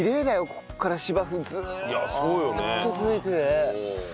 ここから芝生ずーっと続いててね。